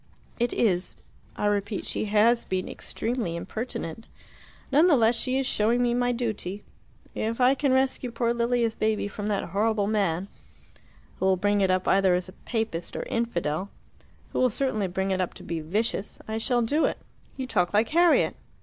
"It is. I repeat, she has been extremely impertinent. None the less she is showing me my duty. If I can rescue poor Lilia's baby from that horrible man, who will bring it up either as Papist or infidel who will certainly bring it up to be vicious I shall do it." "You talk like Harriet."